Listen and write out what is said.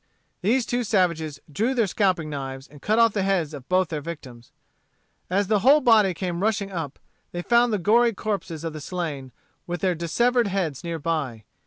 These two savages drew their scalping knives and cut off the heads of both their victims. As the whole body came rushing up, they found the gory corpses of the slain, with their dissevered heads near by.